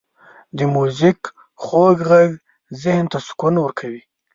• د میوزیک خوږ ږغ ذهن ته سکون ورکوي.